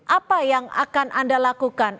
apa yang akan anda lakukan